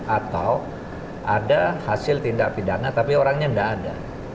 atau ada hasil tindak pidana tapi orangnya tidak ada